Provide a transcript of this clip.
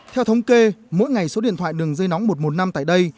theo thống kê mỗi ngày số điện thoại đường dây nóng một trăm một mươi năm tại đây